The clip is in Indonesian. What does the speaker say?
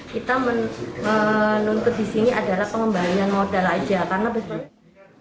kita menuntut di sini adalah pengembalian modal saja